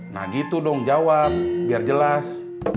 nah gitu dong jawab biar jelas